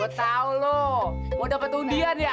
gue tau lo mau dapet undian ya